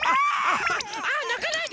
ああなかないで。